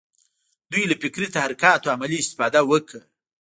دوی له فکري تحرکاتو عملي استفاده وکړه.